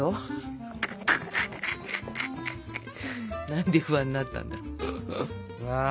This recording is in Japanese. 何で不安になったんだ。